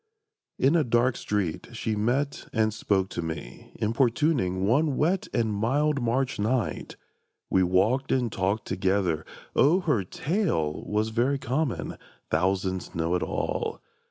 In a dark street she met and spoke to me, Importuning, one wet and mild March night. We walked and talked together. O her tale Was very common; thousands know it all!